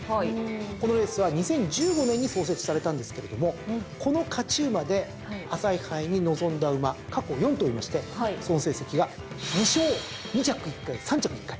このレースは２０１５年に創設されたんですけれどもこの勝ち馬で朝日杯に臨んだ馬過去４頭いましてその成績が２勝２着１回３着１回。